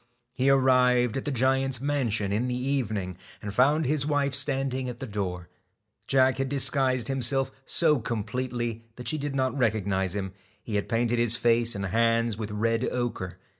He arrived at the giant's mansion in the evening, and found his wife standing at the door. Jack had disguised himself so completely that she did not recognise him. He had painted his face and hands with red ochre.